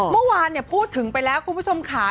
เมื่อวานพูดถึงไปแล้วคุณผู้ชมค่ะ